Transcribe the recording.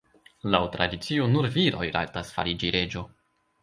Laŭ tradicio nur viroj rajtas fariĝi reĝo.